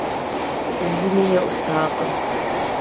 Зыми еӀусакъым.